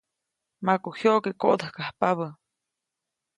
Maku jyoʼke koʼdäjkajpabä.